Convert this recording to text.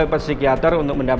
andin sama sekali tidak bersalah